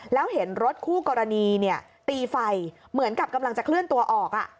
แล้วเห็นรถคู่กรณีตีไฟเหมือนกับกำลังจะเคลื่อนตัวออก